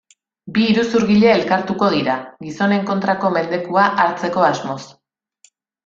Bi iruzurgile elkartuko dira, gizonen kontrako mendekua hartzeko asmoz.